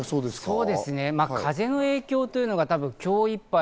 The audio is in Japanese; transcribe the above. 風の影響というのが今日いっぱい。